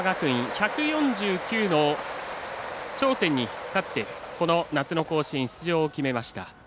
１４９の頂点に立ってこの夏の甲子園出場を決めました。